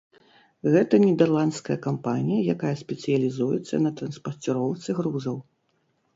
Гэта нідэрландская кампанія, якая спецыялізуецца на транспарціроўцы грузаў.